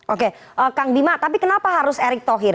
oke kang bima tapi kenapa harus erick thohir